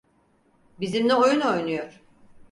Bizimle oyun oynuyor.